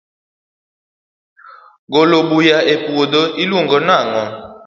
golo buya e puodho i luongo nango?